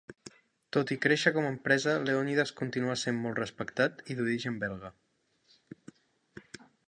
Tot i créixer com a empresa, Leonidas continua sent molt respectat i d'origen belga.